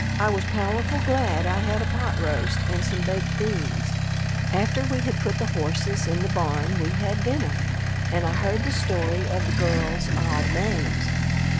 I was powerful glad I had a pot roast and some baked beans. After we had put the horses in the barn we had dinner and I heard the story of the girls' odd names.